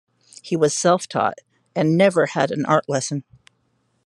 He was self-taught, and never had an art lesson.